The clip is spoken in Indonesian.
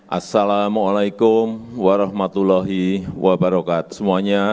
assalamu alaikum warahmatullahi wabarakatuh semuanya